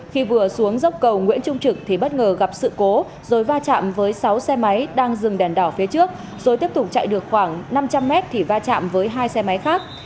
khi vừa xuống dốc cầu nguyễn trung trực thì bất ngờ gặp sự cố rồi va chạm với sáu xe máy đang dừng đèn đỏ phía trước rồi tiếp tục chạy được khoảng năm trăm linh mét thì va chạm với hai xe máy khác